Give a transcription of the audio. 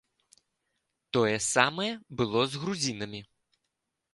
Тое самае было з грузінамі.